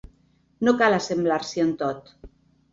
No cal assemblar-s’hi en tot.